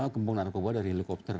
gempung narkoba dari helikopter